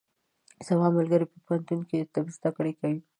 زما ملګری په پوهنتون کې د طب زده کړې کوي.